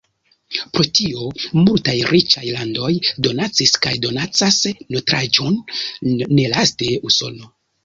Pro tio multaj riĉaj landoj donacis kaj donacas nutraĵon, nelaste Usono.